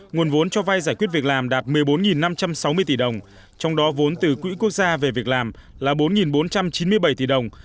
nguồn vốn cho vay giải quyết việc làm đạt một mươi bốn năm trăm sáu mươi tỷ đồng trong đó vốn từ quỹ quốc gia về việc làm là bốn bốn trăm chín mươi bảy tỷ đồng